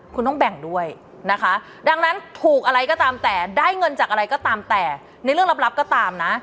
คุณต้องแบ่งด้วยนะคะดังนั้นถูกอะไรก็ตามแต่ได้เงินจากอะไรก็ตามแต่ในเรื่องลับก็ตามนะ